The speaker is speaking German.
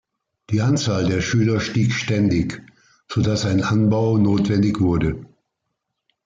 Die Anzahl der Schüler stieg ständig, so dass ein Anbau notwendig wurde.